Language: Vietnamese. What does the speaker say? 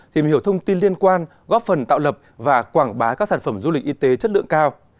tìm hiểu thông tin liên quan góp phần tạo lập và quảng bá các sản phẩm du lịch y tế chất lượng cao